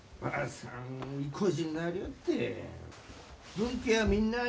「分家はみんなあ」